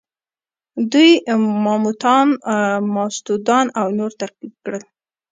دوی ماموتان، ماستودان او نور تعقیب کړل.